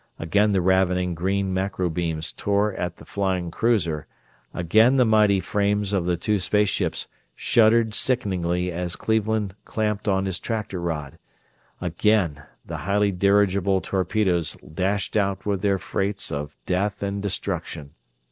Again the ravening green macro beams tore at the flying cruiser, again the mighty frames of the two space ships shuddered sickeningly as Cleveland clamped on his tractor rod, again the highly dirigible torpedoes dashed out with their freights of death and destruction.